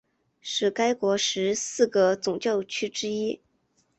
是该国十四个总教区之一。